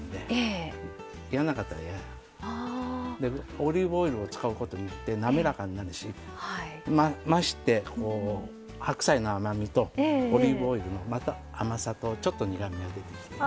オリーブオイルを使うことによって滑らかになるしまして白菜の甘みとオリーブオイルのまた甘さとちょっと苦みが出てきて。